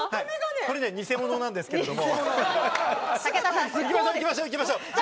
これ偽物なんですけれども。